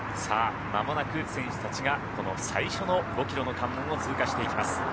間もなく選手たちがこの最初の５キロの関門を通過していきます。